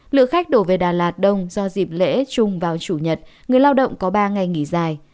lượng khách đổ về đà lạt đông do dịp lễ chung vào chủ nhật người lao động có ba ngày nghỉ dài